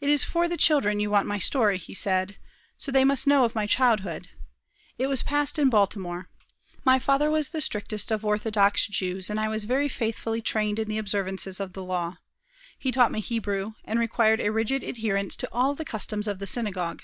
"It is for the children you want my story," he said; "so they must know of my childhood. It was passed in Baltimore. My father was the strictest of orthodox Jews, and I was very faithfully trained in the observances of the law. He taught me Hebrew, and required a rigid adherence to all the customs of the synagogue."